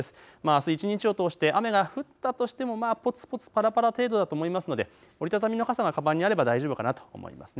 あす一日を通して雨が降ったとしても、ぽつぽつぱらぱら程度だと思いますので折り畳みの傘がかばんにあれば大丈夫かなと思います。